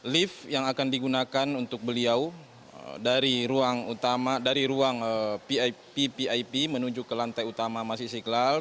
lift yang akan digunakan untuk beliau dari ruang ppip menuju ke lantai utama masjid istiqlal